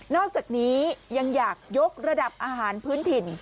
อกจากนี้ยังอยากยกระดับอาหารพื้นถิ่น